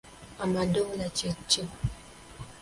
Amadola kye ki?